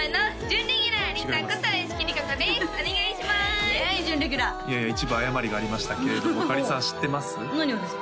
準レギュラーいやいや一部誤りがありましたけれどもかりんさん知ってます？